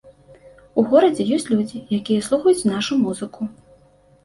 У горадзе ёсць людзі, якія слухаюць нашу музыку.